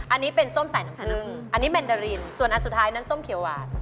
อันนี้เป็นส้มใส่น้ำทะนึ่งอันนี้แมนดารินส่วนอันสุดท้ายนั้นส้มเขียวหวาน